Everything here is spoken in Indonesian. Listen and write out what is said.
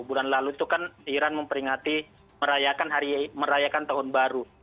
bulan lalu itu kan iran memperingati merayakan tahun baru